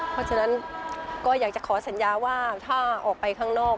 เพราะฉะนั้นก็อยากจะขอสัญญาว่าถ้าออกไปข้างนอก